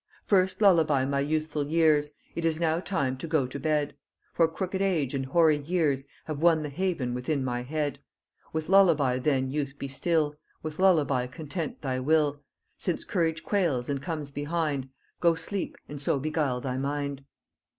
First lullaby my youthful years. It is now time to go to bed, For crooked age and hoary years Have won the haven within my head: With lullaby then youth be still, With lullaby content thy will, Since courage quails and comes behind, Go sleep and so beguile thy mind.